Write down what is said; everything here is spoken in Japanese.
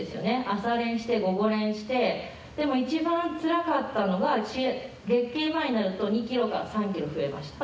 朝練して、午後練して、でも一番つらかったのが、月経前になると２キロから３キロ増えました。